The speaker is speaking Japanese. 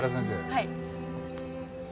はい。